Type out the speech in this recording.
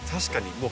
確かに。